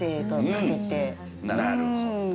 なるほど。